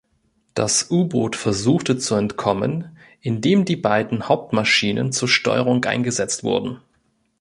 Das U-Boot versuchte zu entkommen, indem die beiden Hauptmaschinen zur Steuerung eingesetzt wurden.